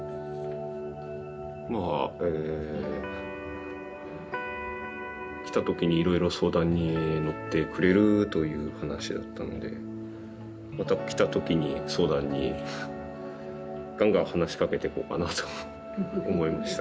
まあえ来た時にいろいろ相談に乗ってくれるという話だったのでまた来た時に相談にがんがん話しかけていこうかなと思いました。